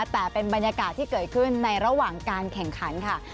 แต่เป็นบรรยากาศที่เกิดขึ้นในระหว่างการแข่งขันค่ะ